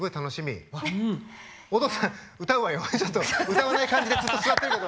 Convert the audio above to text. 歌わない感じでずっと座ってるけど。